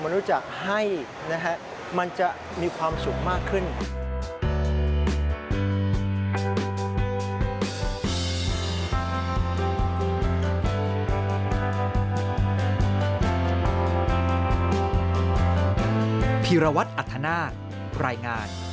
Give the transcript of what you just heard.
รู้จักให้นะฮะมันจะมีความสุขมากขึ้น